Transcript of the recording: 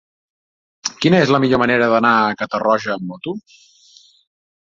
Quina és la millor manera d'anar a Catarroja amb moto?